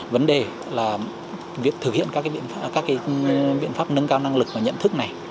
vấn đề là việc thực hiện các biện pháp nâng cao năng lực và nhận thức này